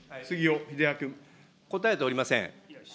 答えておりません。